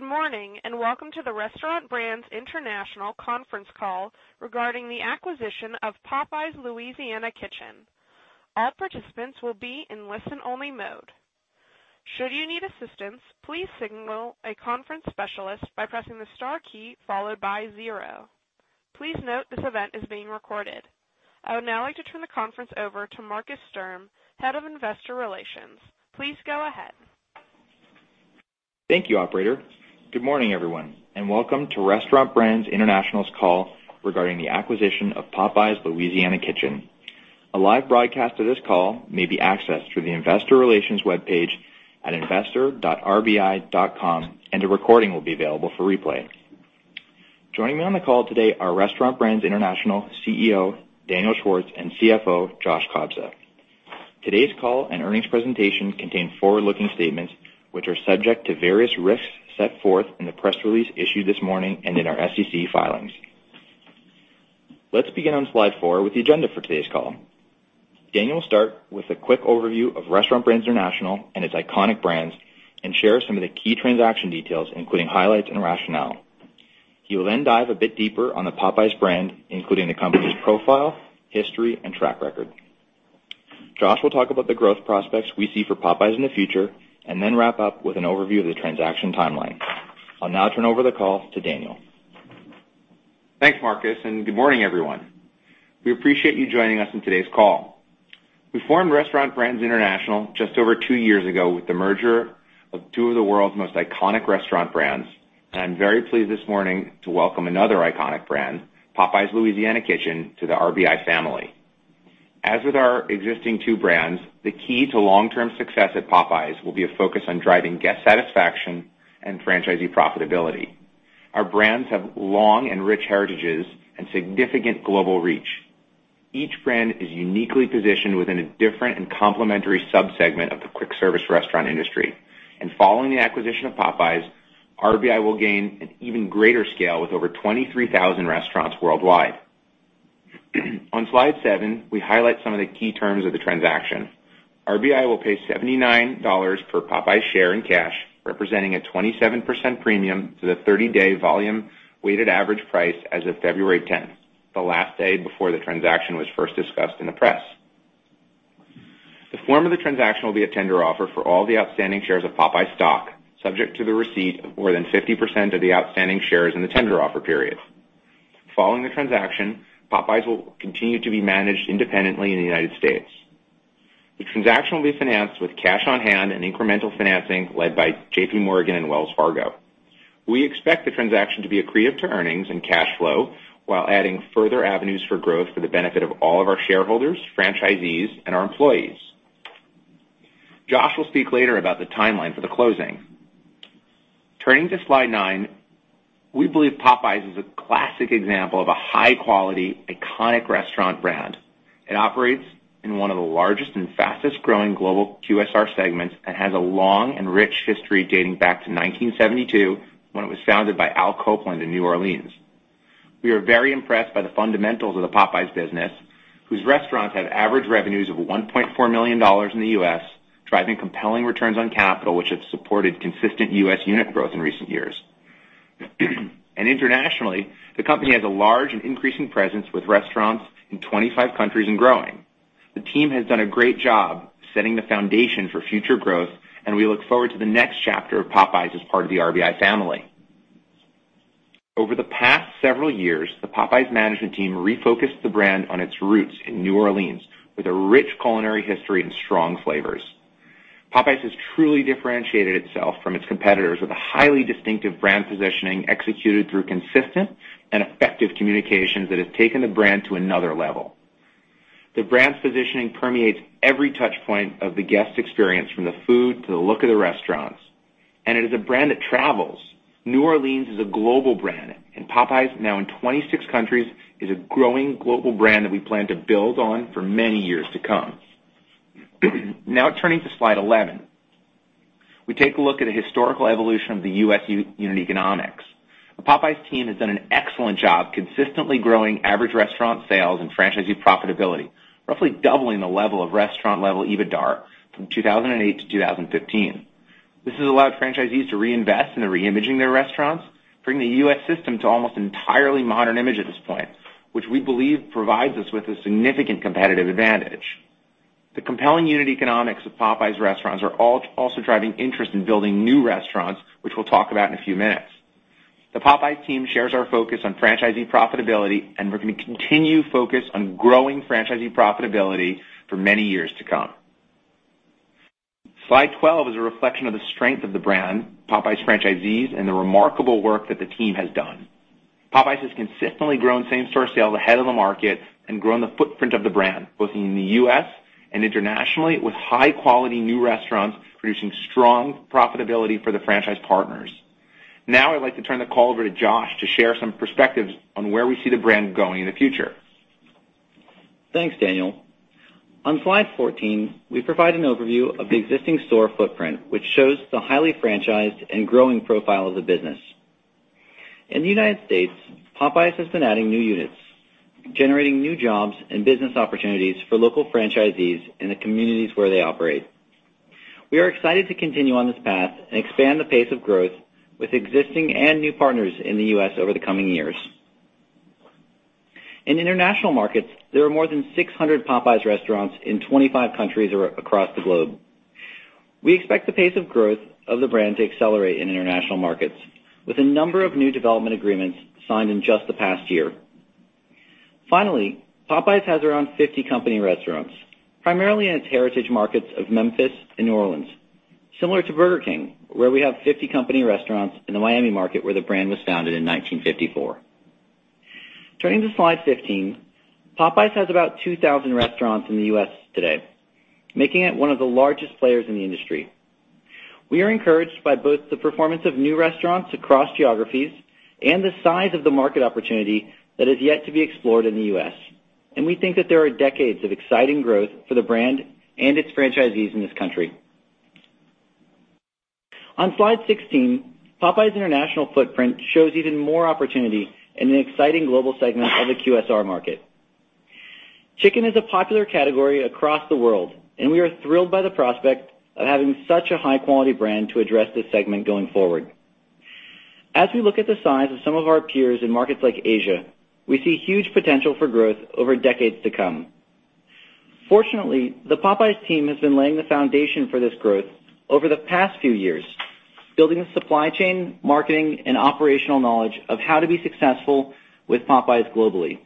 Good morning, and welcome to the Restaurant Brands International conference call regarding the acquisition of Popeyes Louisiana Kitchen. All participants will be in listen-only mode. Should you need assistance, please signal a conference specialist by pressing the star key followed by 0. Please note this event is being recorded. I would now like to turn the conference over to Markus Sturm, Head of Investor Relations. Please go ahead. Thank you, operator. Good morning, everyone, and welcome to Restaurant Brands International's call regarding the acquisition of Popeyes Louisiana Kitchen. A live broadcast of this call may be accessed through the investor relations webpage at investor.rbi.com, and a recording will be available for replay. Joining me on the call today are Restaurant Brands International CEO Daniel Schwartz and CFO Josh Kobza. Today's call and earnings presentation contain forward-looking statements which are subject to various risks set forth in the press release issued this morning and in our SEC filings. Let's begin on slide four with the agenda for today's call. Daniel will start with a quick overview of Restaurant Brands International and its iconic brands and share some of the key transaction details, including highlights and rationale. He will then dive a bit deeper on the Popeyes brand, including the company's profile, history, and track record. Josh will talk about the growth prospects we see for Popeyes in the future and then wrap up with an overview of the transaction timeline. I'll now turn over the call to Daniel. Thanks, Markus, and good morning, everyone. We appreciate you joining us on today's call. We formed Restaurant Brands International just over 2 years ago with the merger of 2 of the world's most iconic restaurant brands, and I am very pleased this morning to welcome another iconic brand, Popeyes Louisiana Kitchen, to the RBI family. As with our existing 2 brands, the key to long-term success at Popeyes will be a focus on driving guest satisfaction and franchisee profitability. Our brands have long and rich heritages and significant global reach. Each brand is uniquely positioned within a different and complementary sub-segment of the quick-service restaurant industry. Following the acquisition of Popeyes, RBI will gain an even greater scale with over 23,000 restaurants worldwide. On slide seven, we highlight some of the key terms of the transaction. RBI will pay $79 per Popeyes share in cash, representing a 27% premium to the 30-day volume weighted average price as of February 10th, the last day before the transaction was first discussed in the press. The form of the transaction will be a tender offer for all the outstanding shares of Popeyes stock, subject to the receipt of more than 50% of the outstanding shares in the tender offer period. Following the transaction, Popeyes will continue to be managed independently in the U.S. The transaction will be financed with cash on hand and incremental financing led by JPMorgan and Wells Fargo. We expect the transaction to be accretive to earnings and cash flow while adding further avenues for growth for the benefit of all of our shareholders, franchisees, and our employees. Josh will speak later about the timeline for the closing. Turning to slide nine, we believe Popeyes is a classic example of a high-quality, iconic restaurant brand. It operates in one of the largest and fastest-growing global QSR segments and has a long and rich history dating back to 1972, when it was founded by Al Copeland in New Orleans. We are very impressed by the fundamentals of the Popeyes business, whose restaurants have average revenues of $1.4 million in the U.S., driving compelling returns on capital, which has supported consistent U.S. unit growth in recent years. Internationally, the company has a large and increasing presence with restaurants in 25 countries and growing. The team has done a great job setting the foundation for future growth, and we look forward to the next chapter of Popeyes as part of the RBI family. Over the past several years, the Popeyes management team refocused the brand on its roots in New Orleans, with a rich culinary history and strong flavors. Popeyes has truly differentiated itself from its competitors with a highly distinctive brand positioning executed through consistent and effective communications that have taken the brand to another level. The brand's positioning permeates every touchpoint of the guest experience, from the food to the look of the restaurants, and it is a brand that travels. New Orleans is a global brand, and Popeyes, now in 26 countries, is a growing global brand that we plan to build on for many years to come. Turning to slide 11. We take a look at a historical evolution of the U.S. unit economics. The Popeyes team has done an excellent job consistently growing average restaurant sales and franchisee profitability, roughly doubling the level of restaurant-level EBITDAR from 2008 to 2015. This has allowed franchisees to reinvest in re-imaging their restaurants, bringing the U.S. system to almost an entirely modern image at this point, which we believe provides us with a significant competitive advantage. The compelling unit economics of Popeyes restaurants are also driving interest in building new restaurants, which we'll talk about in a few minutes. The Popeyes team shares our focus on franchisee profitability, and we're going to continue focus on growing franchisee profitability for many years to come. Slide 12 is a reflection of the strength of the brand, Popeyes franchisees, and the remarkable work that the team has done. Popeyes has consistently grown same-store sales ahead of the market and grown the footprint of the brand, both in the U.S. and internationally, with high-quality new restaurants producing strong profitability for the franchise partners. I'd like to turn the call over to Josh to share some perspectives on where we see the brand going in the future. Thanks, Daniel. On slide 14, we provide an overview of the existing store footprint, which shows the highly franchised and growing profile of the business. In the United States, Popeyes has been adding new units, generating new jobs and business opportunities for local franchisees in the communities where they operate. We are excited to continue on this path and expand the pace of growth with existing and new partners in the U.S. over the coming years. In international markets, there are more than 600 Popeyes restaurants in 25 countries across the globe. We expect the pace of growth of the brand to accelerate in international markets, with a number of new development agreements signed in just the past year. Popeyes has around 50 company restaurants, primarily in its heritage markets of Memphis and New Orleans, similar to Burger King, where we have 50 company restaurants in the Miami market where the brand was founded in 1954. Turning to slide 15, Popeyes has about 2,000 restaurants in the U.S. today, making it one of the largest players in the industry. We are encouraged by both the performance of new restaurants across geographies and the size of the market opportunity that is yet to be explored in the U.S., and we think that there are decades of exciting growth for the brand and its franchisees in this country. On slide 16, Popeyes international footprint shows even more opportunity in an exciting global segment of the QSR market. Chicken is a popular category across the world, we are thrilled by the prospect of having such a high-quality brand to address this segment going forward. As we look at the size of some of our peers in markets like Asia, we see huge potential for growth over decades to come. Fortunately, the Popeyes team has been laying the foundation for this growth over the past few years, building the supply chain, marketing, and operational knowledge of how to be successful with Popeyes globally.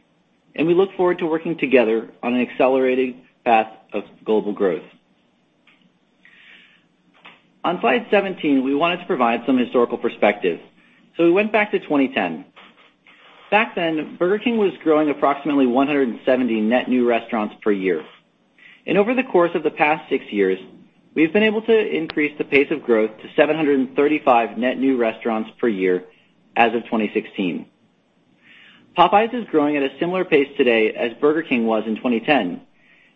We look forward to working together on an accelerating path of global growth. On slide 17, we wanted to provide some historical perspective, so we went back to 2010. Burger King was growing approximately 170 net new restaurants per year. Over the course of the past six years, we've been able to increase the pace of growth to 735 net new restaurants per year as of 2016. Popeyes is growing at a similar pace today as Burger King was in 2010,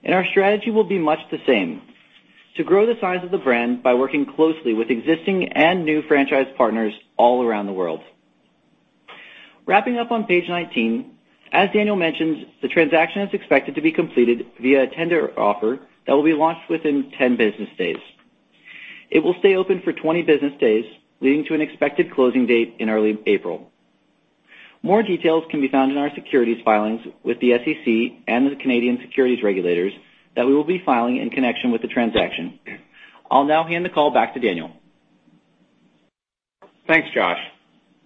and our strategy will be much the same: to grow the size of the brand by working closely with existing and new franchise partners all around the world. Wrapping up on page 19, as Daniel mentioned, the transaction is expected to be completed via a tender offer that will be launched within 10 business days. It will stay open for 20 business days, leading to an expected closing date in early April. More details can be found in our securities filings with the SEC and the Canadian securities regulators that we will be filing in connection with the transaction. I'll now hand the call back to Daniel. Thanks, Josh.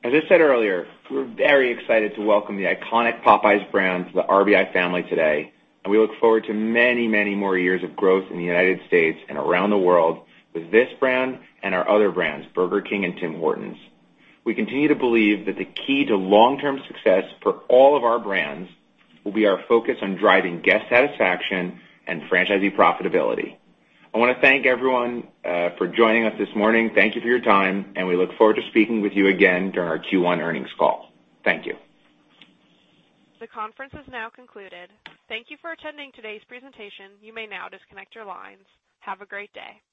As I said earlier, we're very excited to welcome the iconic Popeyes brand to the RBI family today, and we look forward to many, many more years of growth in the U.S. and around the world with this brand and our other brands, Burger King and Tim Hortons. We continue to believe that the key to long-term success for all of our brands will be our focus on driving guest satisfaction and franchisee profitability. I want to thank everyone for joining us this morning. Thank you for your time, and we look forward to speaking with you again during our Q1 earnings call. Thank you. The conference has now concluded. Thank you for attending today's presentation. You may now disconnect your lines. Have a great day.